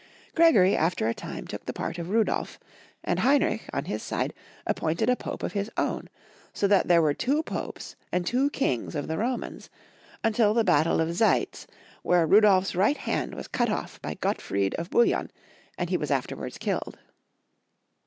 Gregory, after a time, took the part of Rudolf, and Heinrich, on his side, appointed a Pope of his own ; BO that there were two Popes and two Kings of the Romans, until the battle of Zcitz, where Rudolfs right hand was cut off by Gottfried of Bouillon, and he was afterwards killed.